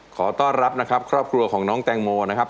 ขอต้อนรับนะครับครอบครัวของน้องแตงโมนะครับ